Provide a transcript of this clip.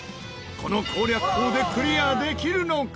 この攻略法でクリアできるのか？